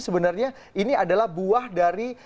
sebenarnya ini adalah buah dari